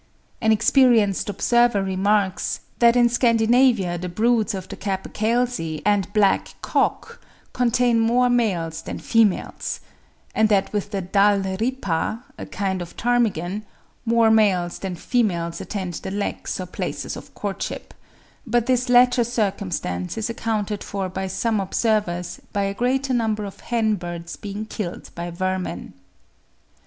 An experienced observer remarks (63. On the authority of L. Lloyd, 'Game Birds of Sweden,' 1867, pp. 12, 132.), that in Scandinavia the broods of the capercailzie and black cock contain more males than females; and that with the Dal ripa (a kind of ptarmigan) more males than females attend the leks or places of courtship; but this latter circumstance is accounted for by some observers by a greater number of hen birds being killed by vermin.